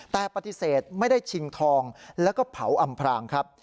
แต่ปฏิเสธไม่ได้ชิงทองแล้วก็เผาอำพรางครับ